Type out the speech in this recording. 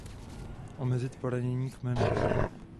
Omezit poranění kmene.